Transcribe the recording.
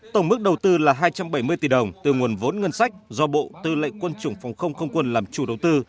tổng mức đầu tư là hai trăm bảy mươi tỷ đồng từ nguồn vốn ngân sách do bộ tư lệnh quân chủng phòng không không quân làm chủ đầu tư